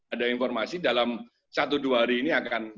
ada informasi dalam satu dua hari ini akan